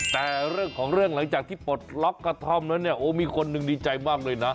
แต่เรื่องของเรื่องหลังจากที่ปลดล็อกกระท่อมแล้วเนี่ยโอ้มีคนหนึ่งดีใจมากเลยนะ